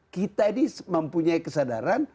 kita ini mempunyai kesadaran